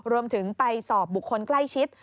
รวมถึงไปสอบบุคคลใกล้ชิด